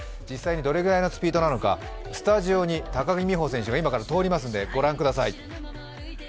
実際どれぐらいのスピードなのかスタジオに高木美帆選手が今から通りますので、御覧ください。